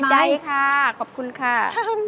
ใจค่ะขอบคุณค่ะ